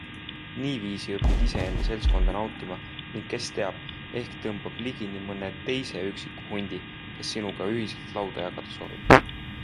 Niiviisi õpid iseenda seltskonda nautima ning kes teab, ehk tõmbad ligi mõne teise üksiku hundi, kes sinuga ühist lauda jagada soovib.